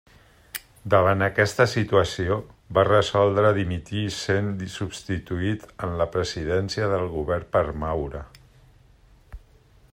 Davant aquesta situació va resoldre dimitir sent substituït en la Presidència del Govern per Maura.